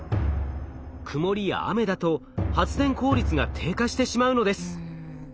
曇りや雨だと発電効率が低下してしまうのです。